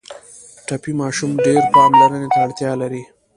ټپي ماشوم ډېر پاملرنې ته اړتیا لري.